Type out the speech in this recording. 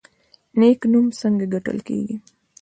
نیک نوم څنګه ګټل کیږي؟